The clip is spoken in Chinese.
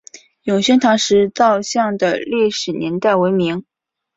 永兴堂石造像的历史年代为明。